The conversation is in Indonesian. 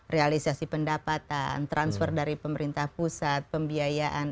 realisasi pendapatan transfer dari pemerintah pusat pembiayaan